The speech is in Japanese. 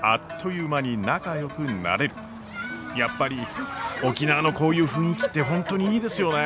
やっぱり沖縄のこういう雰囲気って本当にいいですよね！